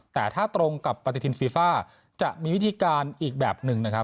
แต่ถ้าตรงกับปฏิทินฟีฟ่าจะมีวิธีการอีกแบบหนึ่งนะครับ